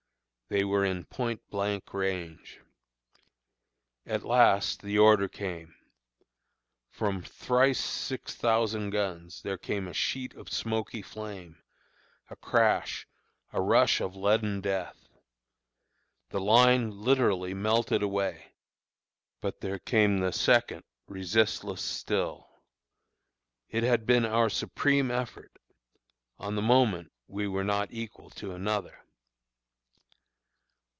They were in point blank range. "At last the order came! From thrice six thousand guns there came a sheet of smoky flame, a crash, a rush of leaden death. The line literally melted away; but there came the second, resistless still. It had been our supreme effort; on the moment we were not equal to another.